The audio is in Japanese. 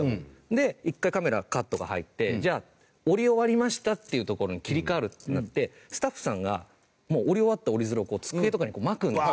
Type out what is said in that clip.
で一回カメラカットが入ってじゃあ折り終わりましたっていうところに切り替わるってなってスタッフさんがもう折り終わった折り鶴を机とかにこうまくんですよ。